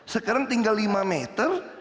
sekarang tinggal lima meter